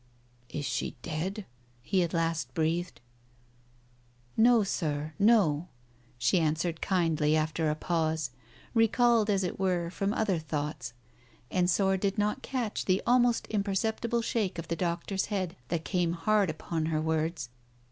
" Is she dead ?" he at last breathed. "No, Sir, no," she answered kindly after a pause, recalled, as it were, from other thoughts. Ensor did not catch the almost imperceptible shake of the doctor's head that came hard upon her words.